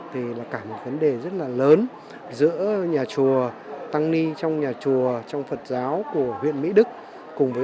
thì là cả một vấn đề rất là lớn giữa nhà chùa tăng ni trong nhà chùa trong phật giáo của huyện mỹ đức cùng với